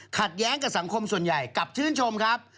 ขัดแย้งกับสังคมส่วนใหญ่กลับชื่นชมครับ